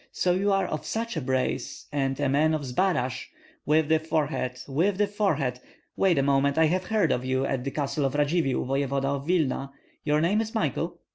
So you are of such a brace, and a man of Zbaraj! With the forehead! with the forehead! Wait a moment; I have heard of you at the castle of Radzivill, voevoda of Vilna. Your name is Michael?"